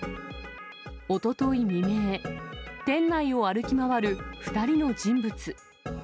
おととい未明、店内を歩き回る２人の人物。